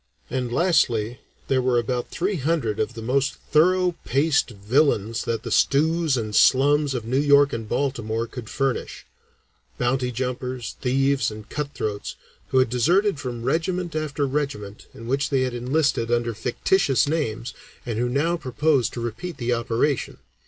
And, lastly, there were about three hundred of the most thorough paced villains that the stews and slums of New York and Baltimore could furnish bounty jumpers, thieves, and cut throats, who had deserted from regiment after regiment in which they had enlisted under fictitious names and who now proposed to repeat the operation.